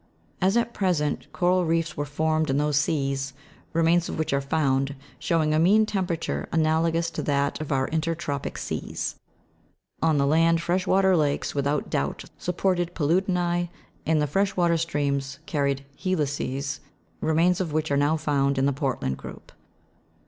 As at present, coral reefs were formed in those seas, remains of which are found, showing a mean temperature, analogous to that of our intertropic seas. On the land, fresh water lakes without doubt supported palu'di na3, and fresh water streams carried helices, remains of which are now found in the Portland group.